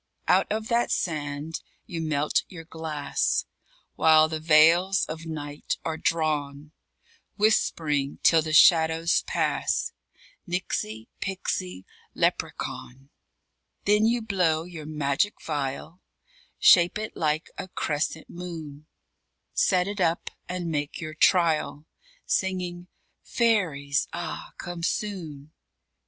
_ Out of that sand you melt your glass While the veils of night are drawn, Whispering, till the shadows pass, Nixie pixie leprechaun Then you blow your magic vial, Shape it like a crescent moon, Set it up and make your trial, Singing, "_Fairies, ah, come soon!